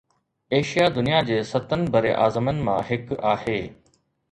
Asia دنيا جي ستن براعظمن مان هڪ آهي